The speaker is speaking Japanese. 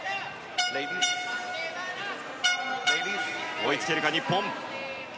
追いつけるか、日本。